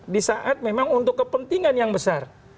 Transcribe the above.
di saat memang untuk kepentingan yang besar